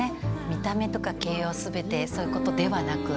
見た目とか形容全てそういうことではなく。